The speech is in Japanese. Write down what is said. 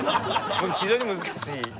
非常に難しい。